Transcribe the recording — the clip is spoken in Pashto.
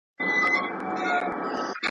د دربار له دروېشانو سره څه دي؟.